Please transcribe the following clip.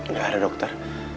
gak ada dokter